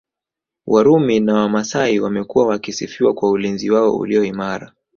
Warumi na Wamasai wamekuwa wakisifiwa kwa ulinzi wao ulio imara